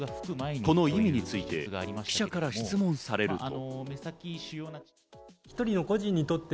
この意味について、記者から質問されると。